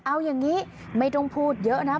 เอาอย่างนี้ไม่ต้องพูดเยอะนะ